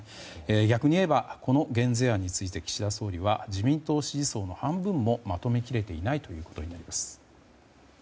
逆に言えばこの減税案について岸田総理は自民党支持層の半分もまとめ切れていないということになります。